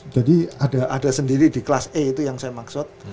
jadi ada sendiri di kelas e itu yang saya maksud